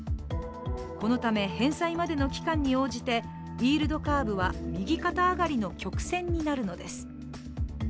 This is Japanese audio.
このため、返済までの期間に応じてイールドカーブは右肩上がりの曲線になるのです。